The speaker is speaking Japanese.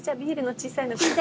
小さいの。